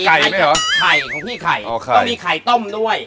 ไข่ด้วยขึงที่ไข่แล้วมีไข่ต้มด้วย